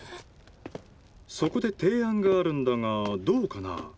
そこで提案があるんだがどうかな？